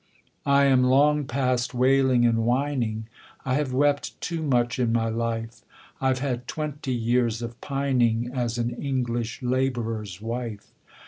'I am long past wailing and whining I have wept too much in my life: I've had twenty years of pining As an English labourer's wife.